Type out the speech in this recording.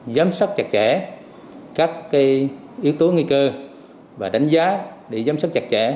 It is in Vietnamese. giám sát chặt chẽ các yếu tố nguy cơ và đánh giá để giám sát chặt chẽ